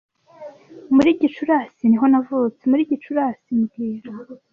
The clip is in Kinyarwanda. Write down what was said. Muri Gicurasi niho navutse muri Gicurasi mbwira